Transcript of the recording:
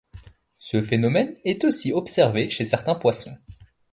Ce phénomène est aussi observé chez certains poissons.